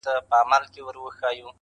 o په شيدو سوځلی مستې پو کي!